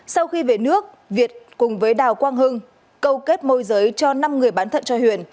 sau khi về nước việt cùng với đào quang hưng câu kết môi giới cho năm người bán thận cho huyền